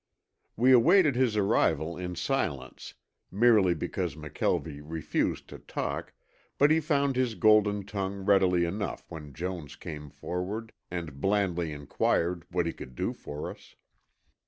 We awaited his arrival in silence, merely because McKelvie refused to talk, but he found his golden tongue readily enough when Jones came forward and blandly inquired what he could do for us.